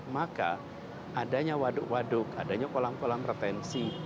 maka adanya waduk waduk adanya kolam kolam retensi